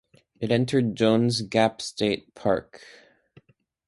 It entered Jones Gap State Park.